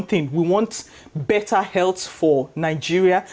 kita ingin kesehatan yang lebih baik untuk nigeria